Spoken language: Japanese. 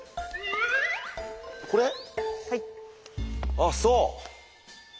あっそう。